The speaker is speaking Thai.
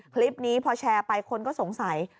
คลิปนี้พอแชร์ไปคนก็สงสัย